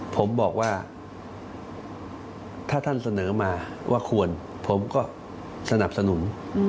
ผมบอกว่าถ้าท่านเสนอมาว่าควรผมก็สนับสนุน